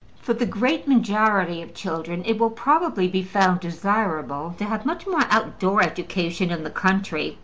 For the great majority of children it will probably be found desirable to have much more outdoor education in the country.